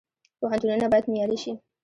پوهنتونونه باید معیاري شي